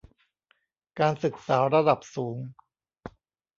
การศึกษาระดับสูง